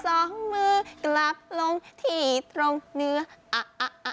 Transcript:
สองมือกลับลงถีดลงเนื้ออะอะอะ